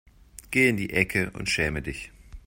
Geh in die Ecke und schäme dich.